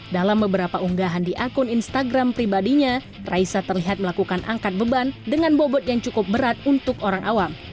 dalam beberapa unggahan di akun instagram pribadinya raisa terlihat melakukan angkat beban dengan bobot yang cukup berat untuk orang awam